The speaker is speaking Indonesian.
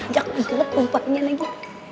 ya ampun cuma keempatnya lagi